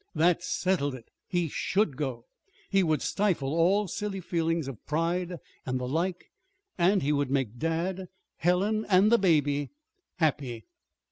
That settled it. He should go. He would stifle all silly feelings of pride and the like, and he would make dad, Helen, and the baby happy.